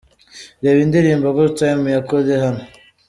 Reba indirimbo ’Good Time’ ya Kode hano: .